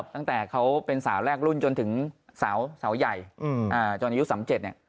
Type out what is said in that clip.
ตั้งแต่เขาเป็นสาวแรกรุ่นจนถึงสาวใหญ่จนอายุ๓๗เนี่ย